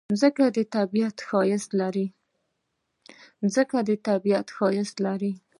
مځکه د طبیعت ښایست لري.